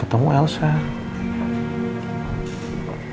emang kerja gua mulai